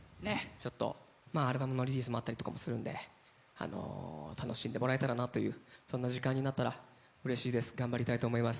ちょっとアルバムのリリースもあったりとかもするんであの楽しんでもらえたらなというそんな時間になったらうれしいです頑張りたいと思います